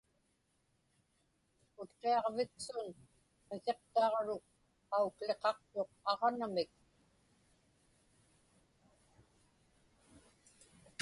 Utqiaġviksun Qikiqtaġruk qaukłiqaqtuq aġnamik.